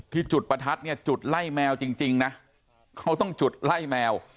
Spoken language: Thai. จุดประทัดเนี่ยจุดไล่แมวจริงนะเขาต้องจุดไล่แมว